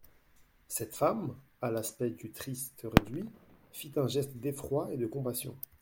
Cette femme, à l'aspect du triste réduit, fit un geste d'effroi et de compassion.